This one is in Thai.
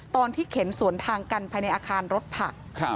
เข็นสวนทางกันภายในอาคารรถผัก